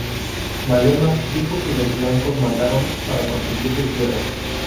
Malema dijo que los blancos mataron para conseguir sus tierras.